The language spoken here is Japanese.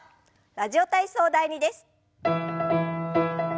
「ラジオ体操第２」です。